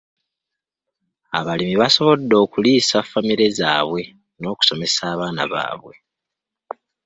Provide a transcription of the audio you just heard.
Abalimi basobodde okuliisa famire zaabwe n'okusomesa abaana baabwe.